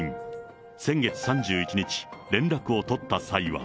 先月３１日、連絡を取った際は。